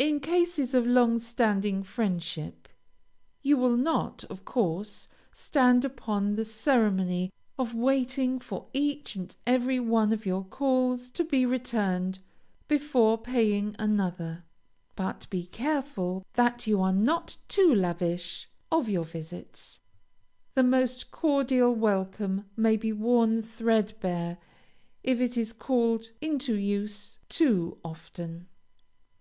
In cases of long standing friendship, you will not, of course, stand upon the ceremony of waiting for each and every one of your calls to be returned before paying another, but be careful that you are not too lavish of your visits. The most cordial welcome may be worn threadbare, if it is called into use too often.